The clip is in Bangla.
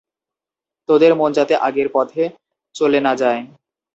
তোদের মন যাতে আগের পথে চলে না যায়।